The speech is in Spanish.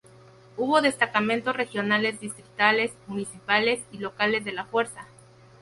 Hubo destacamentos regionales, distritales, municipales y locales de la fuerza.